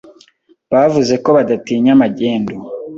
Bavuze ko badatinya magendu.